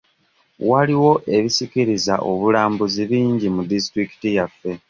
Waliwo ebisikiriza abulambuzi bingi mu disitulikiti yaffe.